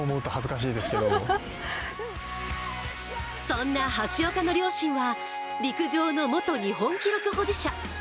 そんな橋岡の両親は、陸上の元日本記録保持者。